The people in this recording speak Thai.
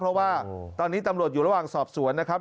เพราะว่าตอนนี้ตำรวจอยู่ระหว่างสอบสวนนะครับ